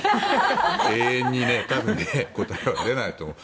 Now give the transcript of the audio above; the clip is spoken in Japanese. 永遠に答えは出ないと思う。